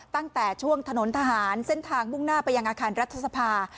ตั้งแต่ช่วงถนนทหารเส้นทางมุ่งหน้าไปยังอาคารรัฐสภา